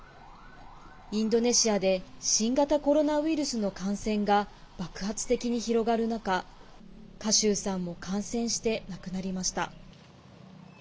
インドネシアで新型コロナウイルスの感染が爆発的に広がる中賀集さんも感染して亡くなりました。